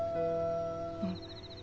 うん。